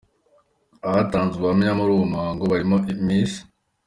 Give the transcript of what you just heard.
Abatanze ubuhamya muri uwo muhango barimo Ms.